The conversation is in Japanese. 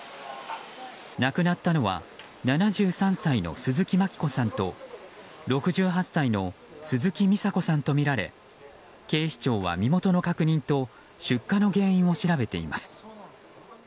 亡くなったのは７３歳の鈴木真喜子さんと６８歳の鈴木美佐子さんとみられ警視庁は身元の確認と出火の原因を調べています。